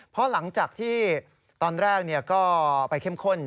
เพราะหลังจากที่ตอนแรกก็ไปเข้มข้น